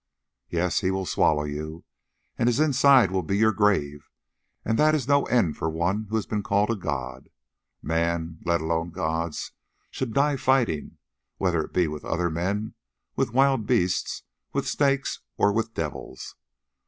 Yes, he will swallow you, and his inside will be your grave, and that is no end for one who has been called a god! Men, let alone gods, should die fighting, whether it be with other men, with wild beasts, with snakes, or with devils.